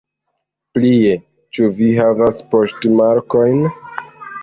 Plie, ĉu vi havas poŝtmarkojn?